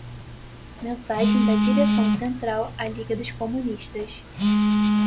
Mensagem da Direcção Central à Liga dos Comunistas